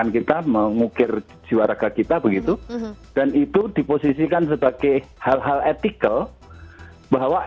kita mengukir jiwa raga kita begitu dan itu diposisikan sebagai hal hal etikal bahwa